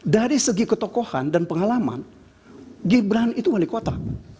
dari segi ketokohan dan pengalaman gibran itu wali kota